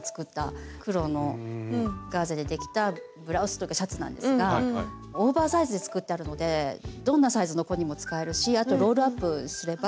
黒のガーゼでできたブラウスというかシャツなんですがオーバーサイズで作ってあるのでどんなサイズの子にも使えるしあとロールアップすれば。